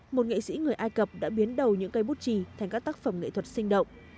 một nghệ sĩ người ai cập đã biến đầu những cây bút trì thành các tác phẩm nghệ thuật sinh động